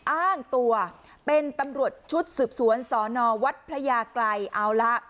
อ้างตัวเป็นตำรวจชุดสืบสวนสนวพไกรเอาละ